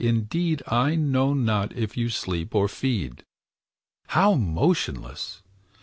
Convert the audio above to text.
indeed I know not if you sleep or feed. How motionless!